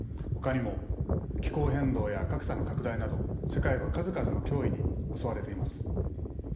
ほかにも気候変動や格差の拡大など世界は数々の脅威に襲われています。